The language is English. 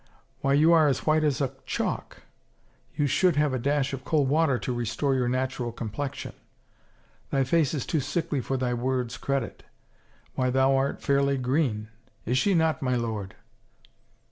Why you are as white as a chalk — you should have a dash of cold water to restore your natural complexion! Thy face is too sickly for thy word's credit. Why, thou art fairly green. Is she not, my lord